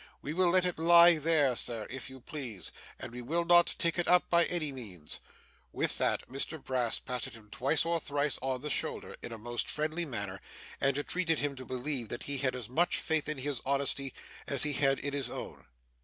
We will let it lie there, Sir, if you please, and we will not take it up by any means.' With that, Mr Brass patted him twice or thrice on the shoulder, in a most friendly manner, and entreated him to believe that he had as much faith in his honesty as he had in his own.